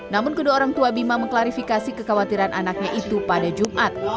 namun kedua orang tua bima mengklarifikasi kekhawatiran anaknya itu pada jumat